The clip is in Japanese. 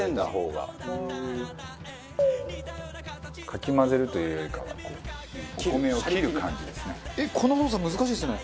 かき混ぜるというよりかはお米を切る感じですね。